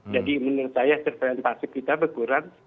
jadi menurut saya surveillance pasif kita berkurang